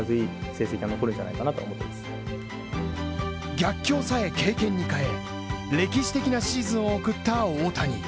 逆境さえ経験に変え、歴史的なシーズンを送った大谷。